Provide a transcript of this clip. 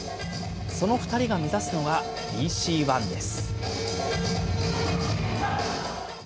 その２人が目指すのがＢＣＯＮＥです。